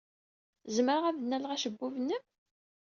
Zemreɣ ad nnaleɣ acebbub-nnem?